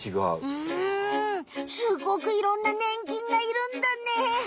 うんすごくいろんなねん菌がいるんだね。